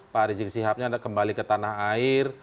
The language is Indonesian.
pak rizik siapnya ada kembali ke tanah air